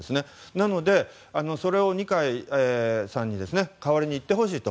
なので、それを二階さんに代わりに行ってほしいと。